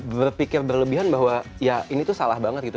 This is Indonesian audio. berpikir berlebihan bahwa ya ini tuh salah banget gitu